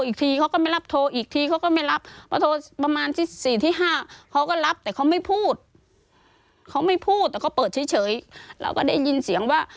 ก็โทรศัพท์โทรศัพท์หาเก่งก็โทรโทรแล้วเขาก็ไม่รับโทร